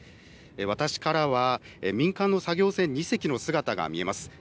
私からは民間の作業船２隻の姿が見えます。